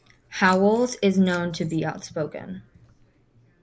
Howells is known to be outspoken.